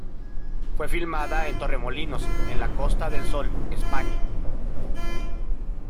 Fue filmada en Torremolinos en la Costa del Sol, España.